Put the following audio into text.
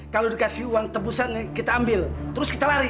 kalau dikasih uang tebusan kita ambil terus kita lari